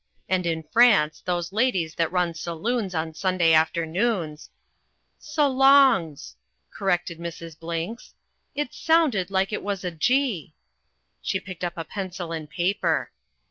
And in France those ladies that run saloons on Sunday afternoons " "Sallongs," corrected Mrs. Blinks. "It's sounded like it was a G." She picked up a pencil and paper.